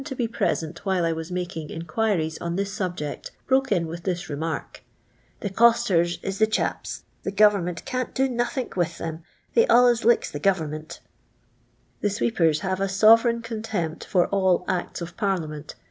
\ to be present while I was making in oiiiri«'. i on this subji. ct, ljruk< in with this remark, *• Th'; ccj«teri is the chaps thi* government can't d'l n' Lhink with them — they stilus hcks the gurem mi n*. ' The sweepers have a sovereign cunti.mpt ffir. ili Acts of J'arliament.